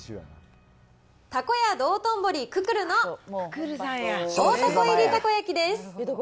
たこ家道頓堀くくるの大たこ入りたこ焼きです。